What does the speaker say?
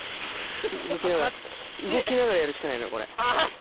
動きながらやるしかないのよこれ。